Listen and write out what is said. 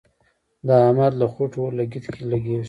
د احمد له خوټو اورلګيت لګېږي.